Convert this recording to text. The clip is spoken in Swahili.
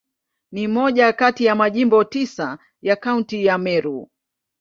Ni moja kati ya Majimbo tisa ya Kaunti ya Meru.